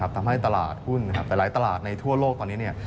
ทำให้ตลาดหุ้นหลายตลาดในทั่วโลกตอนนี้